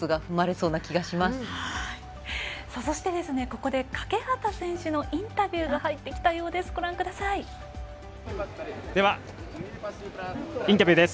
そして、ここで欠端選手のインタビューが入ってきたようです。